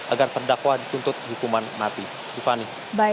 agar terdakwa dituntut hukuman mati